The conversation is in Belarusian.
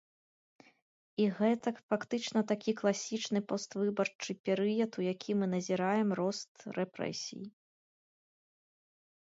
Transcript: І гэта фактычна такі класічны поствыбарчы перыяд, у які мы назіраем рост рэпрэсій.